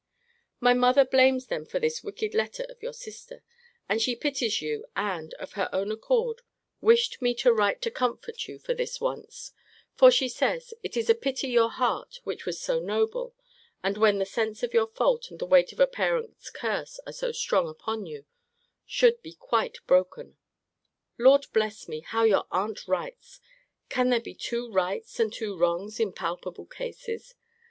My mother blames them for this wicked letter of your sister; and she pities you; and, of her own accord, wished me to write to comfort you, for this once: for she says, it is pity your heart, which was so noble, (and when the sense of your fault, and the weight of a parent's curse are so strong upon you,) should be quite broken. Lord bless me, how your aunt writes! Can there be two rights and two wrongs in palpable cases!